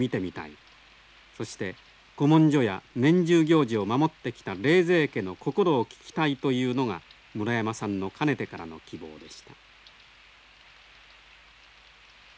そして古文書や年中行事を守ってきた冷泉家の心を聞きたいというのが村山さんのかねてからの希望でした。